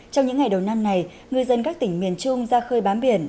trong những ngày đầu năm này ngư dân các tỉnh miền trung ra khơi bám biển